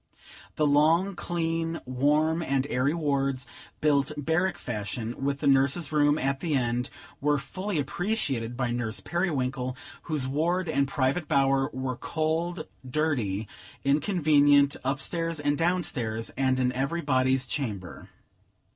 The long, clean, warm, and airy wards, built barrack fashion, with the nurse's room at the end, were fully appreciated by Nurse Periwinkle, whose ward and private bower were cold, dirty, inconvenient, up stairs and down stairs, and in every body's chamber.